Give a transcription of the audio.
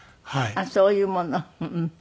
ああそういうもの。